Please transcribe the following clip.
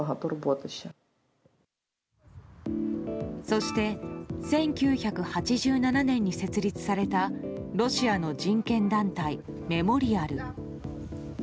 そして１９８７年に設立されたロシアの人権団体メモリアル。